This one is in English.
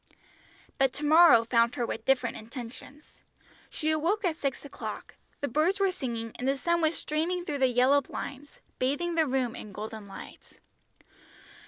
But to morrow found her with different intentions. She awoke at six o'clock, the birds were singing, and the sun was streaming through the yellow blinds, bathing the room in golden light.